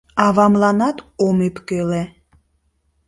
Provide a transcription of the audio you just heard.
Авамланат ом ӧпкеле.